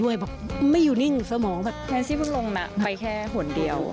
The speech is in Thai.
ด้วยแบบไม่อยู่นิ่งสมองแบบแมนซี่พุทธลงน่ะไปแค่ห่วงเดียว